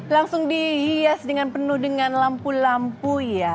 langsung dihias dengan penuh dengan lampu lampu ya